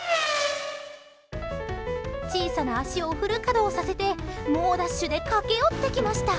小さな脚をフル稼働させて猛ダッシュで駆け寄ってきました！